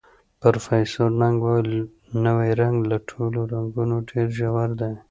پروفیسر نګ وویل، نوی رنګ له ټولو رنګونو ډېر ژور دی.